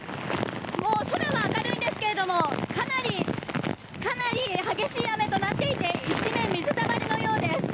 空は明るいんですけれどもかなり激しい雨となっていて一面、水たまりのようです。